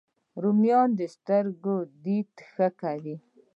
رومیان د سترګو دید ښه کوي